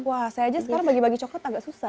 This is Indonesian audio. wah saya aja sekarang bagi bagi coklat agak susah